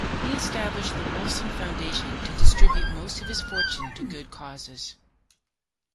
He established the Wolfson Foundation to distribute most of his fortune to good causes.